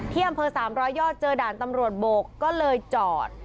ที่อำเภอ๓๐๐ยอดเจอด่านตำรวจโบกก็เลยจอด